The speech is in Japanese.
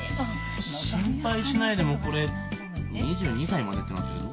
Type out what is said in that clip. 心配しないでもこれ２２歳までってなってるよ。